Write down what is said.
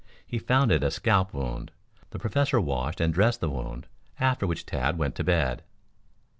He found it a scalp wound. The Professor washed and dressed the wound, after which Tad went to bed.